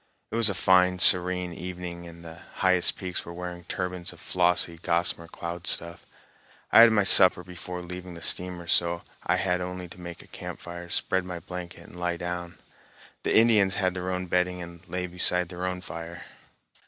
It was a fine, serene evening, and the highest peaks were wearing turbans of flossy, gossamer cloud stuff. I had my supper before leaving the steamer, so I had only to make a campfire, spread my blanket, and lie down. The Indians had their own bedding and lay beside their own fire.